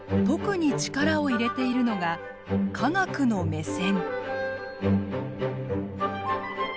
特に力を入れているのが科学の目線。